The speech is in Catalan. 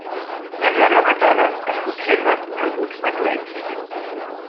En la rematada es conserven alguns merlets.